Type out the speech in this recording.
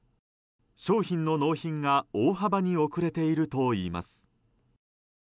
商品の納品が大幅に遅れているといいます。